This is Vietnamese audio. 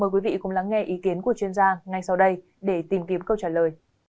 mời quý vị cùng lắng nghe ý kiến của chuyên gia ngay sau đây để tìm kiếm câu trả lời